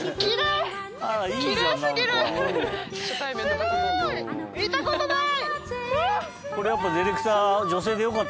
すごい！見たことない。